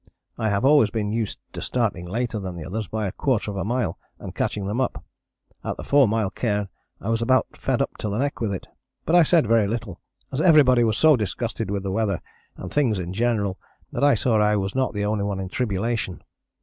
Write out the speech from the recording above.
I have always been used to starting later than the others by a quarter of a mile, and catching them up. At the four mile cairn I was about fed up to the neck with it, but I said very little as everybody was so disgusted with the weather and things in general that I saw that I was not the only one in tribulation.